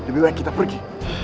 lebih baik kita pergi